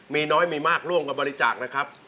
มีน้อยมีมากร่วมกับบริจาคนะครับ